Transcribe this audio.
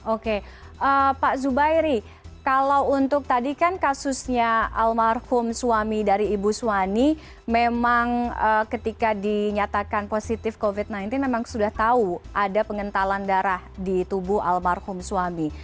oke pak zubairi kalau untuk tadi kan kasusnya almarhum suami dari ibu suwani memang ketika dinyatakan positif covid sembilan belas memang sudah tahu ada pengentalan darah di tubuh almarhum suami